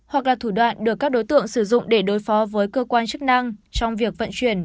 hoặc là thủ đoạn được các đối tượng sử dụng để đối phó với cơ quan chức năng trong việc vận chuyển